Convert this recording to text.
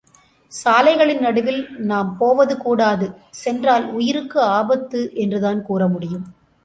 சாலைகளின் நடுவில் நாம் போவது கூடாது சென்றால் உயிருக்கு ஆபத்து என்றுதான் கூறமுடியும்.